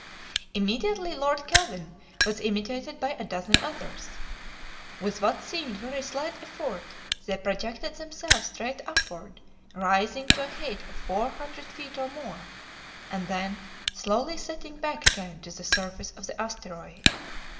Immediately Lord Kelvin was imitated by a dozen others. With what seemed very slight effort they projected themselves straight upward, rising to a height of four hundred feet or more, and then slowly settling back again to the surface of the asteroid.